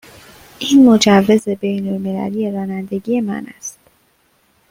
این مجوز بین المللی رانندگی من است.